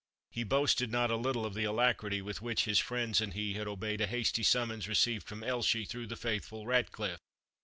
He boasted not a little of the alacrity with which his friends and he had obeyed a hasty summons received from Elshie through the faithful Ratcliffe.